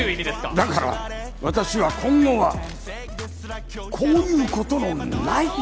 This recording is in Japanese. だから私は今後はこういうことのないように。